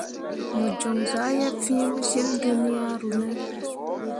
Mo joŋ zah yeb fee pǝ syil dunyaru ne ?